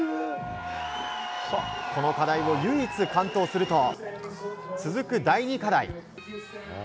この課題を唯一完登すると続く第２課題。